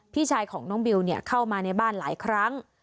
พี่ชายของน้องบิวเข้ามาในบ้านหลายครั้ง